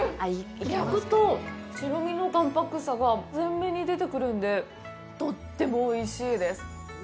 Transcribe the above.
焼くと、白身の淡白さが前面に出てくるんでとってもおいしいです。